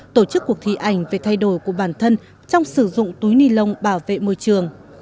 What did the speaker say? tổ chức cuộc thi ảnh về thay đổi của bản thân trong sử dụng túi ni lông bảo vệ môi trường